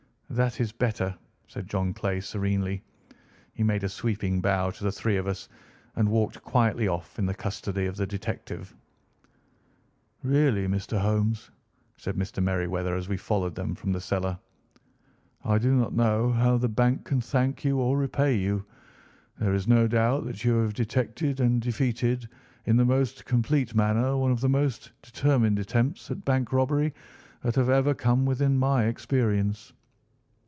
"That is better," said John Clay serenely. He made a sweeping bow to the three of us and walked quietly off in the custody of the detective. "Really, Mr. Holmes," said Mr. Merryweather as we followed them from the cellar, "I do not know how the bank can thank you or repay you. There is no doubt that you have detected and defeated in the most complete manner one of the most determined attempts at bank robbery that have ever come within my experience."